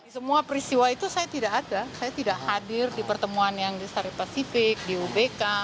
semua peristiwa itu saya tidak ada saya tidak hadir di pertemuan yang di sari pasifik di ubk